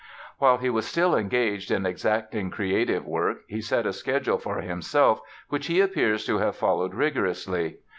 While he was still engaged in exacting creative work he set a schedule for himself which he appears to have followed rigorously.